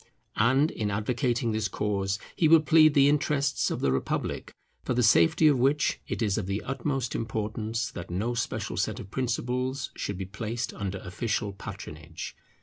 And in advocating this cause, he will plead the interests of the republic, for the safety of which it is of the utmost importance that no special set of principles should be placed under official patronage.